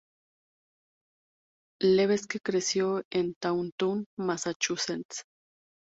Levesque creció en Taunton, Massachusetts.